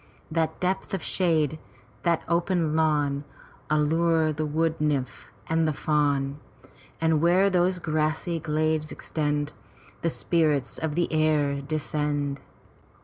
That depth of shade, that open lawn Allure the wood nymph and the fawn; Andy where those grassy glades extend y The spirits of the air descend.